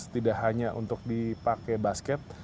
tidak hanya untuk dipakai basket